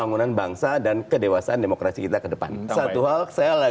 oh gitu ya